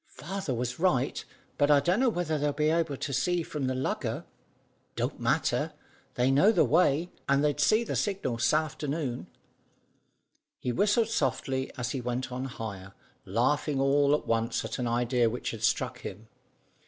"Father was right, but I dunno whether they'll be able to see from the lugger. Don't matter. They know the way, and they'd see the signal s'afternoon." He whistled softly as he went on higher, laughing all at once at an idea which struck him.